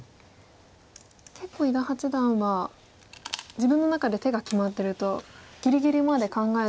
結構伊田八段は自分の中で手が決まってるとぎりぎりまで考えずに。